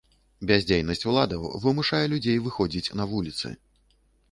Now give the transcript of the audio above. Бяздзейнасць уладаў вымушае людзей выходзіць на вуліцы.